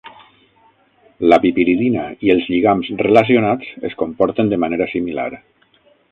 La bipiridina i els lligams relacionats es comporten de manera similar.